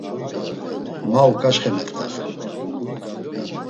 Ma uǩaçxe meft̆are.